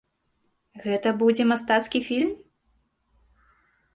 Гэта будзе мастацкі фільм?